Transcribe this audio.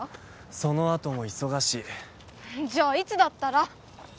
そのあとも忙しいじゃあいつだったら？